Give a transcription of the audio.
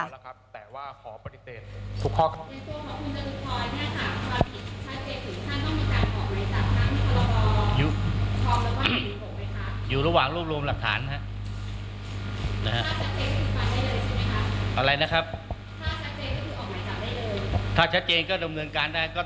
ส่วนอีกเรื่องหนึ่งที่หลายคนสงสัยว่าจะมีนอปชมีนายจตุพรพันธ์ประธานนอปชเชื่อมโยงกับเหตุการณ์นี้หรือเปล่า